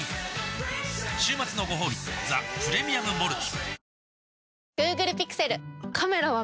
週末のごほうび「ザ・プレミアム・モルツ」